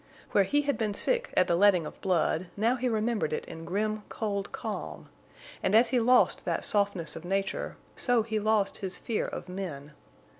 Where he had been sick at the letting of blood, now he remembered it in grim, cold calm. And as he lost that softness of nature, so he lost his fear of men.